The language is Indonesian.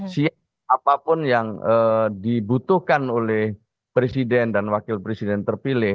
siapapun yang dibutuhkan oleh presiden dan wakil presiden terpilih